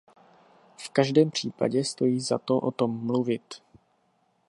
V každém případě stojí za to o tom mluvit.